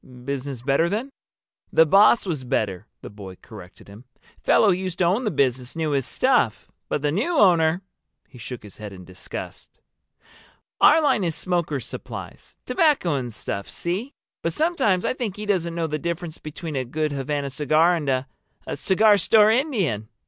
"Business better then?" "The boss was better," the boy corrected him. "Fellow who used to own the business knew his stuff. But the new owner—!" He shook his head in disgust. "Our line is smokers' supplies—tobacco and stuff, see? But sometimes I think he doesn't know the difference between a good Havana cigar and a—a cigar store Indian."